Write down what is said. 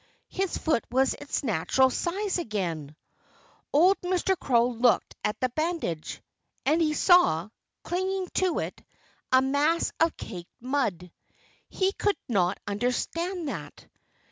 His foot was its natural size again! Old Mr. Crow looked at the bandage. And he saw, clinging to it, a mass of caked mud. He could not understand that.